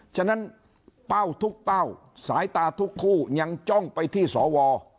ฉะนั้นเป้าทุกเป้าสายตาทุกคู่ยังจ้องไปที่สว